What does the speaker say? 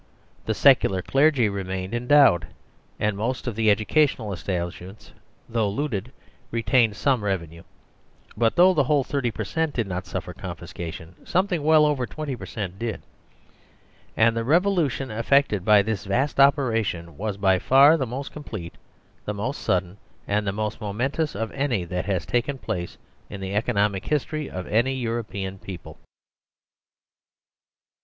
The secular clergy remained endowed, and most of the educa , tional establishments, though looted, retained some revenue ; but though the whole 30 per cent did not suffer confiscation, something well over 20 per cent, did, and the revolution effected by this vast opera tion was by far the most complete, the most sudden, and the most momentous of any that has taken place in the economic history of any European people.